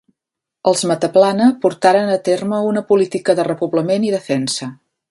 Els Mataplana portaren a terme una política de repoblament i defensa.